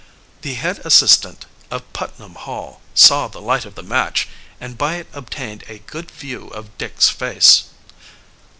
The head assistant of Putnam Hall saw the light of the match and by it obtained a good view of Dick's face.